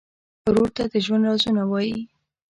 ورور ته د ژوند رازونه وایې.